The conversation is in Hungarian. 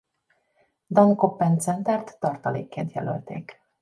Dan Koppen centert tartalékként jelölték.